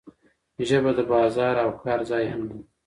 ژبه د بازار او کار ځای هم ده.